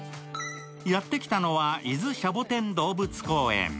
やって来たのは、伊豆シャボテン動物公園。